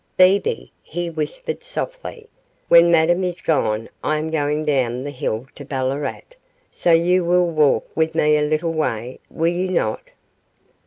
'Bebe,' he whispered softly, 'when Madame is gone I am going down the hill to Ballarat, so you will walk with me a little way, will you not?